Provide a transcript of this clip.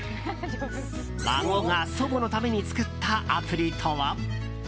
孫が祖母のために作ったアプリとは？